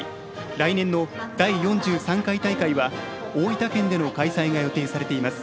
来年の第４３回大会は大分県での開催が予定されています。